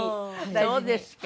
そうですか。